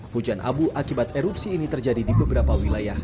hujan abu akibat erupsi ini terjadi di beberapa wilayah